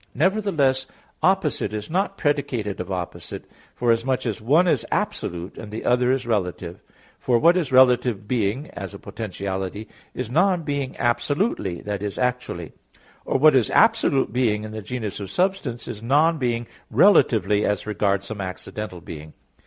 Nevertheless, opposite is not predicated of opposite; forasmuch as one is absolute, and the other is relative; for what is relative being (as a potentiality) is non being absolutely, i.e. actually; or what is absolute being in the genus of substance is non being relatively as regards some accidental being.